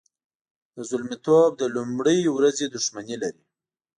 د زلمیتوب له لومړۍ ورځې دښمني لري.